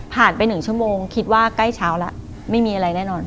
ไป๑ชั่วโมงคิดว่าใกล้เช้าแล้วไม่มีอะไรแน่นอน